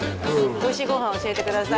おいしいご飯教えてください